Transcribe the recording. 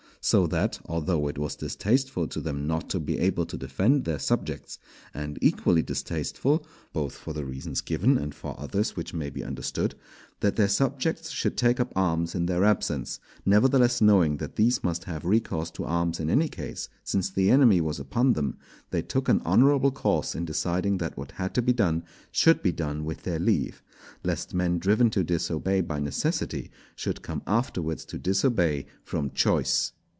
So that, although it was distasteful to them not to be able to defend their subjects, and equally distasteful—both for the reasons given, and for others which may be understood—that their subjects should take up arms in their absence, nevertheless knowing that these must have recourse to arms in any case, since the enemy was upon them, they took an honourable course in deciding that what had to be done should be done with their leave, lest men driven to disobey by necessity should come afterwards to disobey from choice.